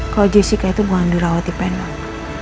kalau jessica itu kurang dirawat di penang